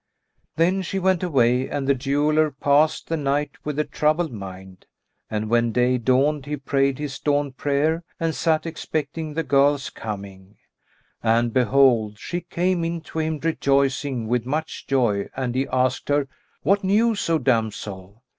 Then she went away and the jeweller passed the night with a troubled mind. And when day dawned he prayed his dawn prayer and sat expecting the girl's coming; and behold, she came in to him rejoicing with much joy and he asked her, "What news, O damsel?"